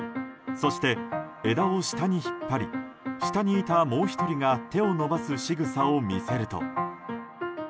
そして、枝を下に引っ張り下にいたもう１人が手を伸ばすしぐさを見せると。